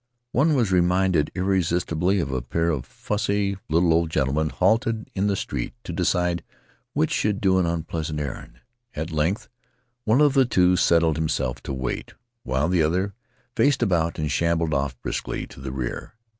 One was reminded irresistibly of a pair of fussy little old gentlemen, halted in the street to decide which should do an unpleasant errand. At length one of the two settled himself to wait, while the other faced about and shambled off briskly to the rear.